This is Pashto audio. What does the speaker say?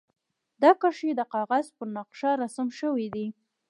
دا کرښې د کاغذ پر نقشه رسم شوي دي.